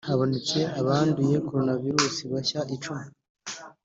habonetse abanduye Coronavirus bashya icumi